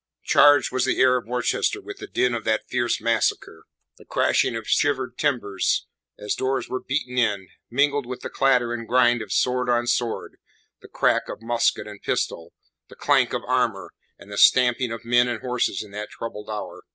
Charged was the air of Worcester with the din of that fierce massacre. The crashing of shivered timbers, as doors were beaten in, mingled with the clatter and grind of sword on sword, the crack of musket and pistol, the clank of armour, and the stamping of men and horses in that troubled hour.